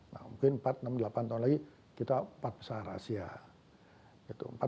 nah mungkin empat enam delapan tahun lagi kita empat besar asia